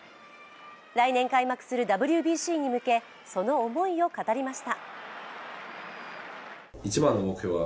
来年開幕するＷＢＣに向け、その思いを語りました。